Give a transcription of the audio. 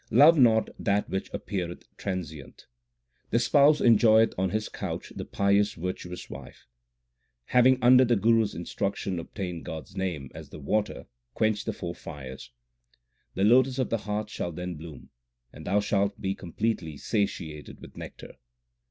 Love not that which appeareth transient. The Spouse enjoyeth on His couch the pious virtuous wife. Having under the Guru s instruction obtained God s name as the water, quench the four fires. 1 The lotus of the heart shall then bloom, and thou shalt be completely satiated with nectar.